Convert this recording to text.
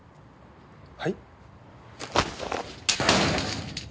はい？